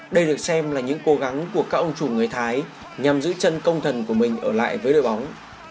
đây được xem là những cố gắng của các ông chủ người thái nhằm giữ chân công thần của mình ở lại với đội bóng